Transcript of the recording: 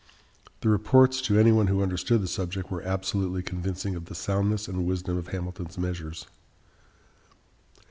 The reports, to any one who understood the subject, were absolutely convincing of the soundness and wisdom of Hamilton's measures.